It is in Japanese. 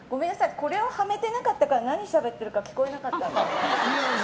これはめてなかったから何をしゃべってるか聞こえなかったんだ。